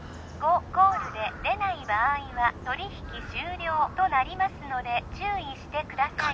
コールで出ない場合は取引終了となりますので注意してください